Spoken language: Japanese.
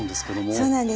そうなんです。